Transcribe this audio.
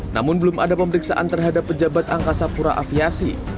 namun belum ada pemeriksaan terhadap pejabat angkasa pura aviasi